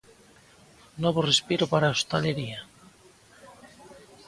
Novo respiro para a hostalería.